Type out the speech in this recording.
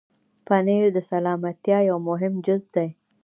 پنېر د سلامتیا یو مهم جز دی.